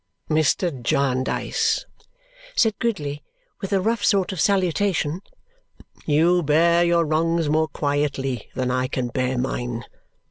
"Mr. Jarndyce," said Gridley with a rough sort of salutation, "you bear your wrongs more quietly than I can bear mine.